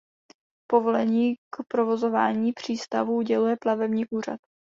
Povolení k provozování přístavu uděluje Plavební úřad.